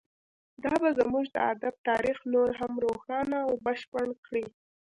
دا به زموږ د ادب تاریخ نور هم روښانه او بشپړ کړي